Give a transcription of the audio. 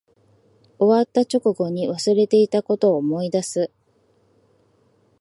終わった直後に忘れていたことを思い出す